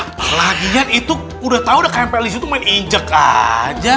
selagi itu udah tau udah kaya mpc itu main injek aja